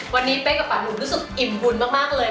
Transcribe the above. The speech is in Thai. วันนี้เป๊กกับป่าหุ่นรู้สึกอิ่มบุญมากเลย